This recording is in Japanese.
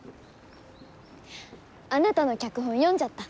あなたの脚本読んじゃった。